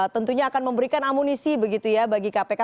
tentunya akan memberikan amunisi begitu ya bagi kpk